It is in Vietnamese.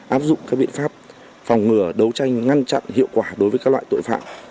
áp dụng các biện pháp phòng ngừa đấu tranh ngăn chặn hiệu quả đối với các loại tội phạm